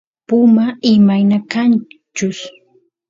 puma imayna kanchus